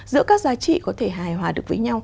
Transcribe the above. giữa các giá trị có thể hài hòa được với nhau